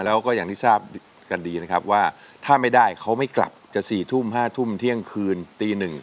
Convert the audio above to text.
แล้วก็อย่างที่ทราบกันดีนะครับว่าถ้าไม่ได้เขาไม่กลับจะ๔ทุ่ม๕ทุ่มเที่ยงคืนตี๑